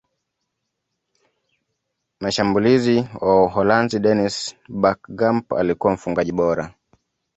mshambulizi wa uholanzi dennis berkgamp alikuwa mfungaji bora